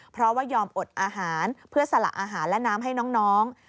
เพราะว่ายอมอดอาหารเพื่อสละอาหารและน้ำให้น้อง